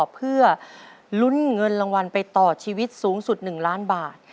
เพื่อลุ้นเงินรางวัลไปต่อชีวิตสูงสุด๑ล้านบาท